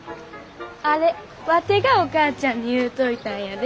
あれワテがお母ちゃんに言うといたんやで。